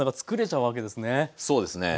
そうですね。